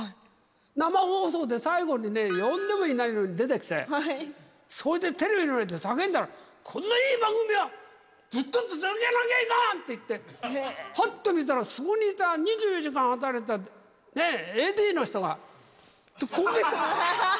生放送で最後にね、呼んでもいないのに出てきて、それでテレビの前で叫んだ、こんないい番組はずっと続けなきゃいかん！って言って、はっと見たら、そこにいた２４時間働いていたＡＤの人が、こけた。